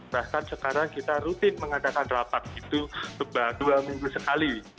bahkan sekarang kita rutin mengadakan rapat itu dua minggu sekali